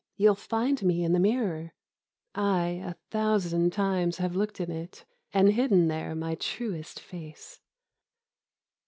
You'll find me in the mirror, I a thousand times have looked in it. And hidden there my truest face."